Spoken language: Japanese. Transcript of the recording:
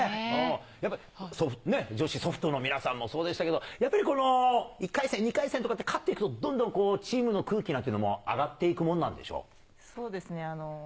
やっぱ女子ソフトの皆さんもそうでしたけど、やっぱり１回戦、２回戦とかって勝っていくと、どんどんチームの空気なんていうそうですね。